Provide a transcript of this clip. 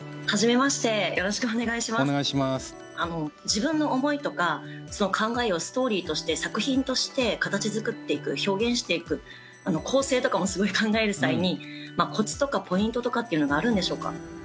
自分の思いとか考えをストーリーとして作品として形づくっていく表現していく構成とかもすごい考える際にコツとかポイントとかっていうのがあるんでしょうか？